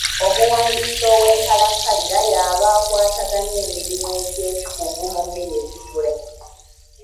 Omuwandiisi ow’enkalakkalira y’aba akwataganya emirimu egy’ekikugu mu minisitule.